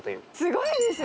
すごいですね。